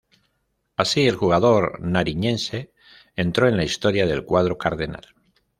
Así, el jugador nariñense entró en la historia del cuadro cardenal.